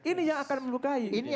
ini yang akan melukai